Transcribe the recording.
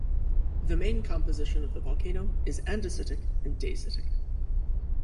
The main composition of the volcano is andesitic and dacitic.